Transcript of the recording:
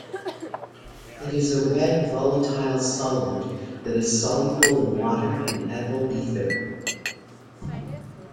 It is a red volatile solid that is soluble in water and ethyl ether.